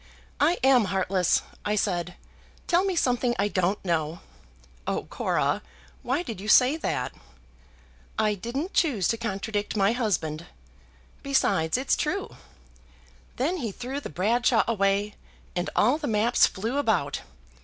'I am heartless,' I said. 'Tell me something I don't know.'" "Oh, Cora, why did you say that?" "I didn't choose to contradict my husband. Besides, it's true. Then he threw the Bradshaw away, and all the maps flew about.